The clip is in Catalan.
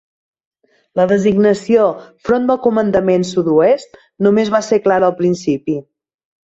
La designació "front del comandament sud-oest" només va ser clara al principi.